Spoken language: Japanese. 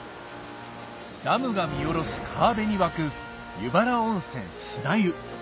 ダムが見下ろす川辺に湧く湯原温泉砂湯